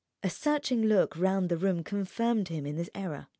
A searching look round the room confirmed him in this error.